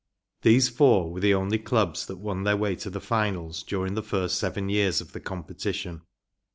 These four were the only clubs that won their way to the finals during the first seven years of the competition.